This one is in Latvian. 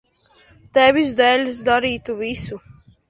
Tevis dēļ es darītu visu.